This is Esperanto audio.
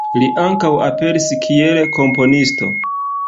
Li ankaŭ aperis kiel komponisto.